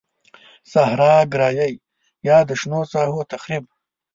صحرا ګرایی یا د شنو ساحو تخریب.